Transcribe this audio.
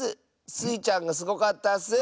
スイちゃんがすごかったッス！